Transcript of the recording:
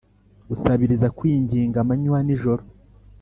gusabiriza, kwinginga, amanywa n'ijoro.